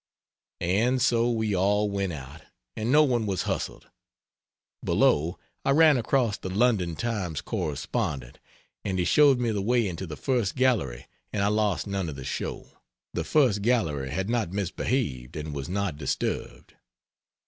And so we all went out, and no one was hustled. Below, I ran across the London Times correspondent, and he showed me the way into the first gallery and I lost none of the show. The first gallery had not misbehaved, and was not disturbed.